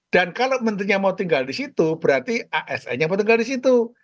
dan kalau menterinya mau tinggal di situ berarti asn nya mau tinggal di situ